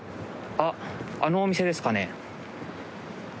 あのお店ですかね。